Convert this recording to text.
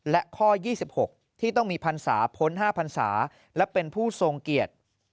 และข้อ๒๖ที่ต้องมีพรรษาพ้น๕พันศาและเป็นผู้ทรงเกียรติ